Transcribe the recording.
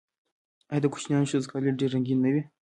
آیا د کوچیانیو ښځو کالي ډیر رنګین نه وي؟